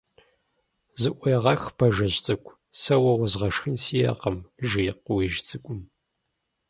Зыӏуегъэх, Бажэжь цӏыкӏу, сэ уэ уэзгъэшхын сиӏэкъым, - жи Къуиижь Цӏыкӏум.